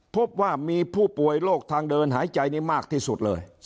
พบว่ามีผู้ป่วยโรคทางเดินหายใจนี้มากที่สุดเลย